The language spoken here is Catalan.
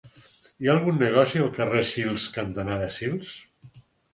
Hi ha algun negoci al carrer Sils cantonada Sils?